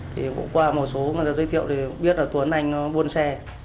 thì cũng qua một số người ta giới thiệu thì biết là tuấn anh buôn xe